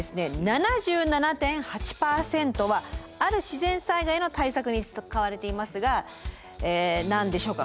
７７．８％はある自然災害への対策に使われていますが何でしょうか？